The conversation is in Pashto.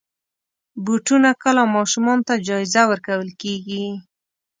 بوټونه کله ماشومانو ته جایزه ورکول کېږي.